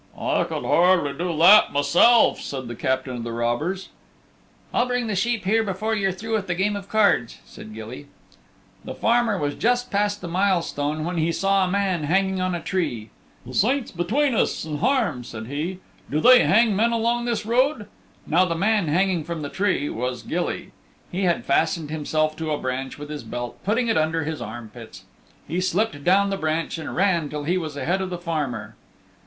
"I could hardly do that myself," said the Captain of the Robbers. "I'll bring the sheep here before you're through with the game of cards," said Gilly. The farmer was just past the milestone when he saw a man hanging on a tree. "The saints between us and harm," said he, "do they hang men along this road?" Now the man hanging from the tree was Gilly. He had fastened himself to a branch with his belt, putting it under his arm pits. He slipped down from the branch and ran till he was ahead of the farmer.